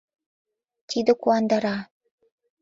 Тиде куандара.